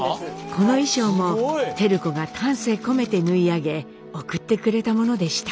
この衣装も照子が丹精込めて縫い上げ送ってくれたものでした。